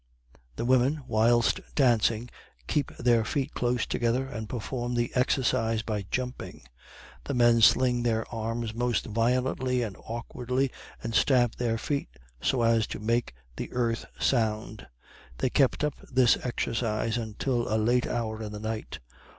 The women, whilst dancing, keep their feet close together, and perform the exercise by jumping. The men sling their arms most violently and awkardly, and stamp their feet so as to make the earth sound. They kept up this exercise until a late hour in the night.